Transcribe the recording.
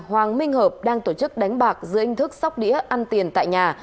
hoàng minh hợp đang tổ chức đánh bạc dưới hình thức sóc đĩa ăn tiền tại nhà